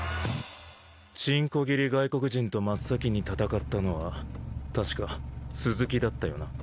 チンコ切り外国人と真っ先に戦ったのは確か鈴木だったよな？